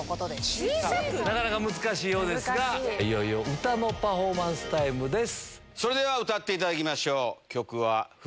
なかなか難しいようですが、いよいよ歌のパフォーマンスタイムです。